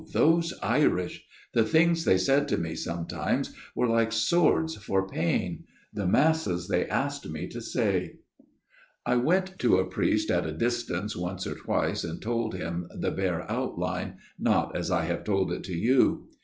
those Irish ! The things they said to me sometimes were like swords for pain ... the Masses they asked me to say. ..!" I went to a priest at a distance once or twice and told him the bare outline not as I have told it to you.